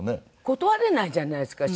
断れないじゃないですか